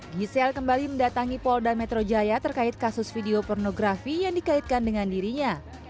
giselle kembali mendatangi polda metro jaya terkait kasus video pornografi yang dikaitkan dengan dirinya